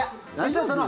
大丈夫？